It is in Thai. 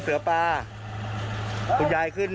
ศพที่สอง